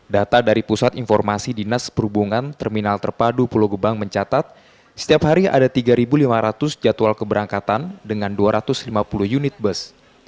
data dari pusat informasi dinas perhubungan terminal terpadu pulau gebang mencatat setiap hari ada tiga lima ratus jadwal keberangkatan dengan dua ratus lima puluh unit bus